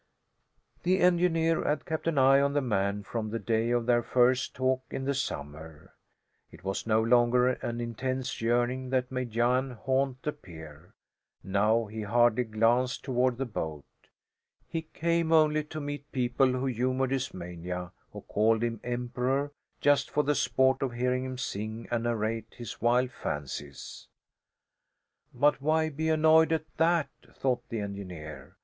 The engineer had kept an eye on the man from the day of their first talk in the summer. It was no longer an intense yearning that made Jan haunt the pier. Now he hardly glanced toward the boat. He came only to meet people who humoured his mania, who called him "Emperor" just for the sport of hearing him sing and narrate his wild fancies. But why be annoyed at that? thought the engineer.